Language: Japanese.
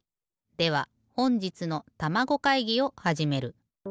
ではほんじつのたまご会議をはじめる。